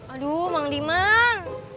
aduh mang diman